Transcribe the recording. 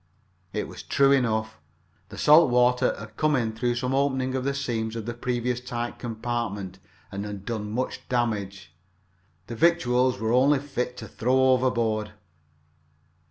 It was true enough. The salt water had come in through some opening of the seams of the previously tight compartment and had done much damage. The victuals were only fit to throw overboard.